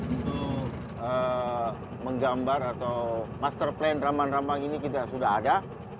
untuk menggambar atau master plan rambang rambang ini kita sudah ada